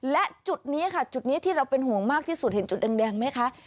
และจุดนี้ค่ะจุดนี้ที่เราเป็นห่วงมากที่สุดเห็นจุดแดงไหมคะ